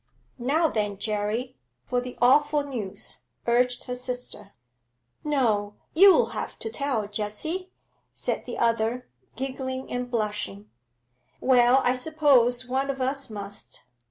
'Now then, Jerry, for the awful news,' urged her sister. 'No, you'll have to tell, Jessie,' said the other, giggling and blushing. 'Well, I suppose one of us must.